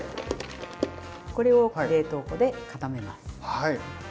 これを冷凍庫で固めます。